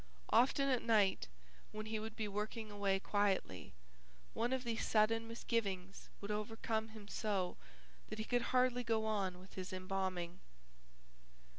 Often at night when he would be working away quietly, one of these sudden misgivings would overcome him so that he could hardly go on with his embalming.